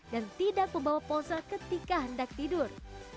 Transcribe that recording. dan tidak membawa pose ketika hendak tidur